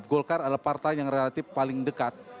golkar adalah partai yang relatif paling dekat